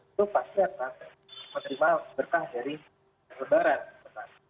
itu pasti akan menerima berkah dari lebaran